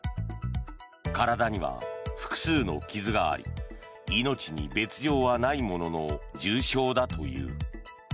体には複数の傷があり命に別条はないものの重傷だという。